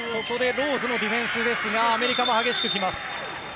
ローズのディフェンスですがアメリカも激しく来ます。